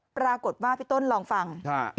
ปรากฏว่าพี่ต้นลองฟัง